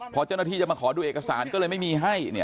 พอเจ้าหน้าที่จะมาขอดูเอกสารก็เลยไม่มีให้